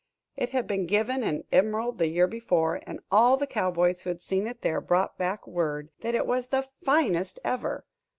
It had been given in Emerald the year before, and all the cowboys who had seen it there brought back word that it was "the finest ever."